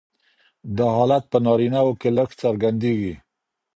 دا حالت په نارینهوو کې لږ څرګندیږي.